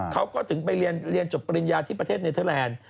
เขาก็ถึงไปเรียนจบปริญญาที่ประเทศเนเทอร์แลนด์